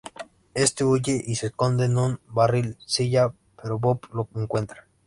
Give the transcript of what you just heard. Éste huye y se esconde en un barril-silla, pero Bob lo encuentra.